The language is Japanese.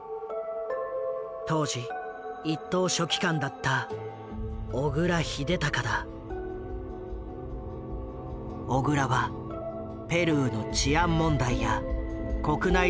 当時一等書記官だった小倉はペルーの治安問題や国内情勢に通じていた。